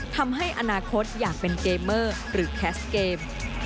ทำให้อนาคตอยากเป็นเกมเมอร์หรือแคสเกม